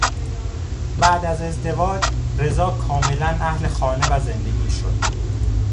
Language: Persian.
بعد از ازدواج رضا کاملا اهل خانه و زندگی شد.